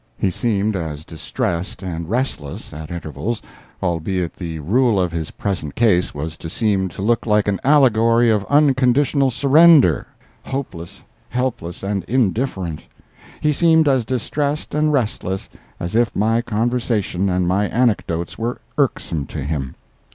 He seemed as distressed and restless, at intervals—albeit the rule of his present case was to seem to look like an allegory of unconditional surrender—hopeless, helpless and indifferent—he seemed as distressed and restless as if my conversation and my anecdotes were irksome to him.